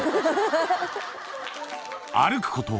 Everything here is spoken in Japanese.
歩くこと